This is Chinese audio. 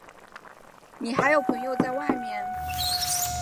你还有朋友在外面？